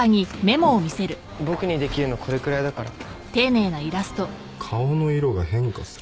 僕にできるのこれくらいだから「顔の色が変化する」